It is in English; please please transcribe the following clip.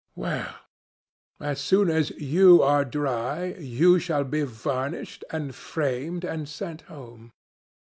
"Well, as soon as you are dry, you shall be varnished, and framed, and sent home.